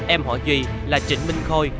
em hỏi duy là trịnh minh khôi